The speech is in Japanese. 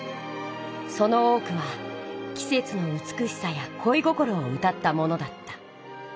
その多くはきせつのうつくしさやこい心を歌ったものだった。